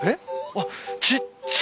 あっちっちゃ。